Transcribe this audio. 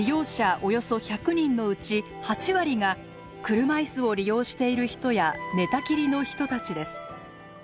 およそ１００人のうち８割が車椅子を利用している人や寝たきりの人たちです。